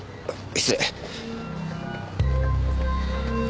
失礼。